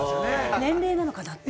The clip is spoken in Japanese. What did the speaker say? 年齢なのかなって。